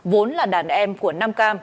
vốn là đàn em của nam cam